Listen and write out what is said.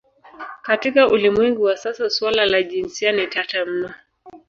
Katika ulimwengu wa sasa suala la jinsia ni tata mno.